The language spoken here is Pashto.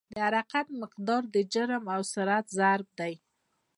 د حرکت مقدار د جرم او سرعت ضرب دی.